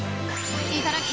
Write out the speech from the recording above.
いただき！